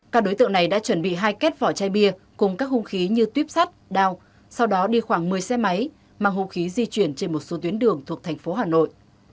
các đối tượng này đã chuẩn bị hai kết vỏ chai bia cùng các hung khí như tuyếp sắt đào sau đó đi khoảng một mươi xe máy mang hung khí di chuyển trên một số tuyến đường thuộc thành phố hà nội